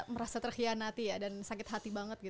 merasa terkhianati dan sakit hati banget